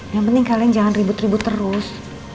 yang penting kalian jangan ribut ribut terus